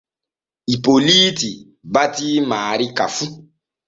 Ipoliiti batii maari ka fu.